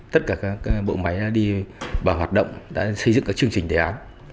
tất cả các bộ máy đi vào hoạt động đã xây dựng các chương trình đề án